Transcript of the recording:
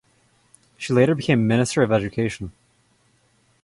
She later became Minister of Education.